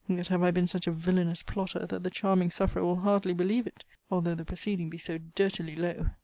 Yet have I been such a villanous plotter, that the charming sufferer will hardly believe it: although the proceeding be so dirtily low.